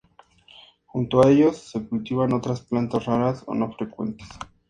Junto a ellos se cultivan otras plantas raras o no frecuentes.